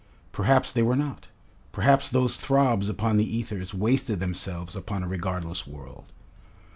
Perhaps they were not. Perhaps those throbs upon the ethers wasted themselves upon a regardless world.